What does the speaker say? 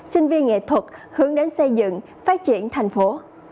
sinh viên nghệ thuật hướng đến xây dựng phát triển thành phố